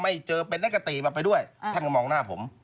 ไม่เจอเป็นแน็กกะตีมาด้วยแทนก็มองหน้าผม